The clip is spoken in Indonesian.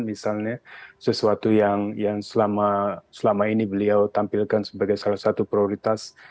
misalnya sesuatu yang selama ini beliau tampilkan sebagai salah satu prioritas